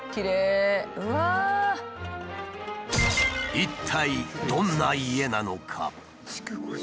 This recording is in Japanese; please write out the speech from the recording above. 一体どんな家なのか？